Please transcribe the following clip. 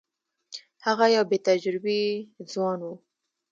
هغه یو بې تجربې ځوان وو.